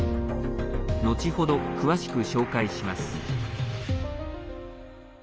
後ほど詳しく紹介します。